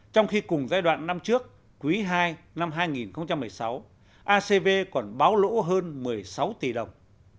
trong khi cùng giai đoạn năm trước quý ii năm hai nghìn một mươi sáu acv còn báo lỗ hơn một mươi sáu tỷ đồng